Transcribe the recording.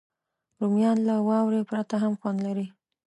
رومیان له واورې پرته هم خوند لري